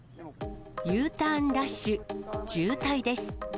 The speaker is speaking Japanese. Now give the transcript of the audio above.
Ｕターンラッシュ、渋滞です。